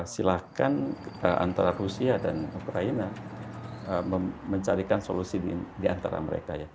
silahkan antara rusia dan ukraina mencarikan solusi di antara mereka ya